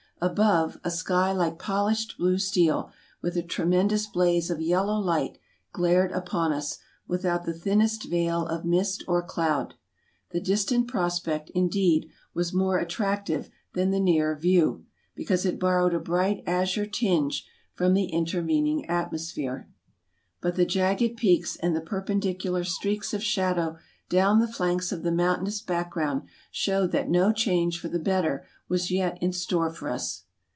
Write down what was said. Above, a sky like polished blue steel, with a tremendous blaze of yellow light, glared upon us, without the thinnest veil of mist or cloud. The distant prospect, indeed, was more attractive than the near view, because it borrowed a bright azure tinge from the intervening atmosphere ; but the jagged peaks and the perpendicular streaks of shadow down the flanks of the mountainous background showed that no change for the better was yet in store for us.